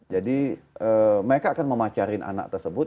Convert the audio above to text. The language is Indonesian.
jadi mereka akan memacarin anak tersebut